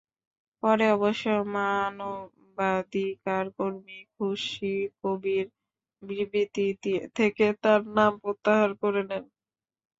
পরে অবশ্য মানবাধিকারকর্মী খুশী কবির বিবৃতি থেকে তাঁর নাম প্রত্যাহার করে নেন।